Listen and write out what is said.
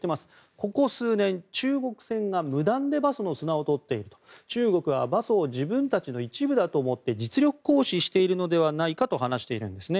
ここ数年、中国船が無断で馬祖の砂を取っていると中国は馬祖を中国の一部だと思って実力行使しているんじゃないかと話しているんですね。